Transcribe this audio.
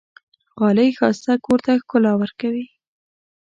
غالۍ ښایسته کور ته ښکلا ورکوي.